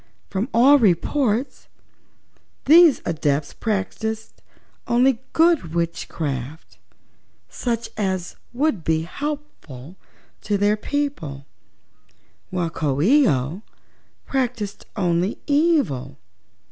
Moreover, from all reports these Adepts practiced only good witchcraft, such as would be helpful to their people, while Coo ee oh performed only evil."